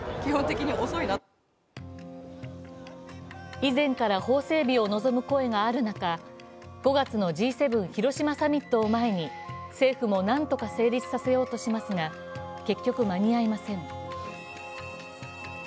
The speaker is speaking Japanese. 以前から法整備を望む声がある中５月のＧ７広島サミットを前に政府もなんとか成立させようとしますが結局、間に合いません。